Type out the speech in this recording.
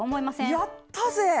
やったぜ！